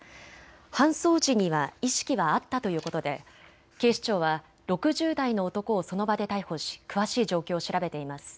搬送時には意識はあったということで警視庁は６０代の男をその場で逮捕し、詳しい状況を調べています。